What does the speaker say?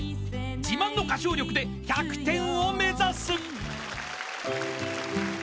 ［自慢の歌唱力で１００点を目指す］